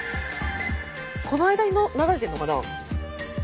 この間に流れてるのかな？